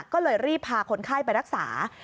ก็เลยรีบพาคนไข้ไปรักษา